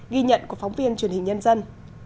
ghi nhận của phóng viên truyền hình nhân dân